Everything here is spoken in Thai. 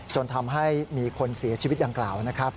จนทำให้มีคนเสียชีวิตดังกล่าวนะครับ